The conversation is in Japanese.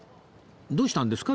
どうしたんですか？